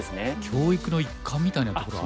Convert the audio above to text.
教育の一環みたいなところ。